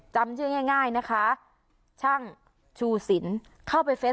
จำชื่อง่ายนะคะช่างชูสินเข้าไปเฟส